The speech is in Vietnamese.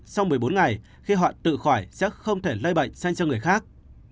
sau một mươi bốn ngày khi họ tự khỏi sẽ không thể lây bệnh sang cho người khác